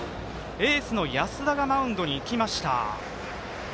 エースの安田がマウンドに行きました。